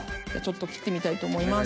切ってみたいと思います。